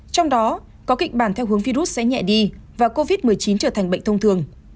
trong đó có kịch bản theo hướng virus sẽ nhẹ đi và covid một mươi chín trở thành bệnh thông thường